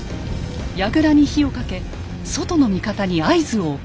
やぐらに火をかけ外の味方に合図を送ります。